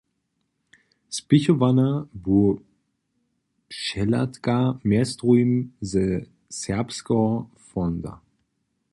Spěchowana bu přehladka mjez druhim ze sakskeho fondsa.